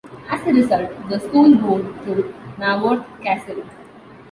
As a result, the school moved to Naworth Castle.